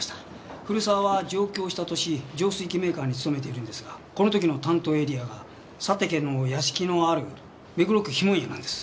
古沢は上京した年浄水器メーカーに勤めているんですがこの時の担当エリアが佐竹の屋敷のある目黒区碑文谷なんです。